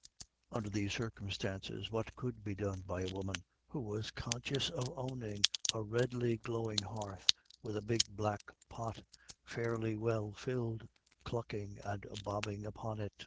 Under these circumstances, what could be done by a woman who was conscious of owning a redly glowing hearth with a big black pot, fairly well filled, clucking and bobbing upon it?